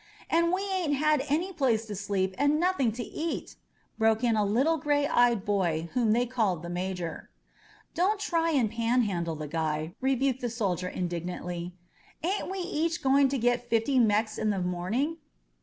"And we ain't had any place^to sleep and nothing to 167 •*■* INSURGENT MEXICO eat " broke in a little gray eyed boy whom they called the Major. "Don't try and panhandle the guy !*' rebuked the sol dier indignantly. "Ain't we each going to get fifty Mex in the morning?"